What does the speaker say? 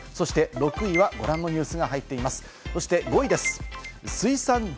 ６位はご覧のニュースが入っています。